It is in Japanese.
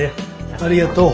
ありがとう。